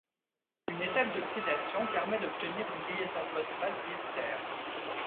Une étape d'oxydation permet d'obtenir une liaison phosphate diester.